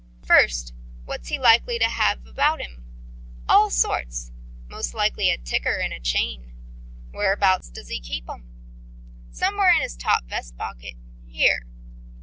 First what's he likely to have about 'im? All sorts. Mostly, a ticker and a chain. Whereabouts does he keep 'em? Somewhere in his top vest pocket here.